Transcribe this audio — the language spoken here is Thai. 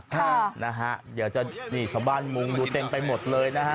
ค่ะนะฮะเดี๋ยวจะนี่ชาวบ้านมุงดูเต็มไปหมดเลยนะฮะ